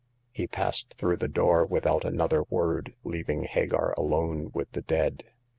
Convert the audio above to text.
He passed through the door without another word, leaving Hagar alone with the dead.